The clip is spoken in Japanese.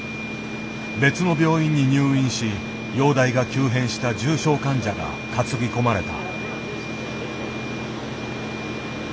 別の病院に入院し容体が急変した重症患者が担ぎ込まれた。